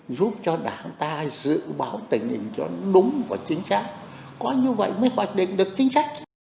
giúp cho đảng ta dự báo tình hình cho đúng và chính xác có như vậy mới hoạch định được chính sách